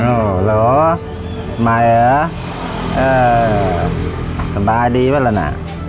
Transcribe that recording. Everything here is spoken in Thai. เหรอใหม่เหรอเออสบายดีปะละน่ะ